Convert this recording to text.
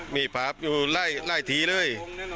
มีพราพอยู่ล่ะ้ห์เล่าเลย